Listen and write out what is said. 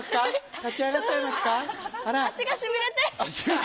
足がしびれて。